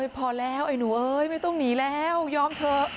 พอแล้วไอ้หนูเอ้ยไม่ต้องหนีแล้วยอมเถอะ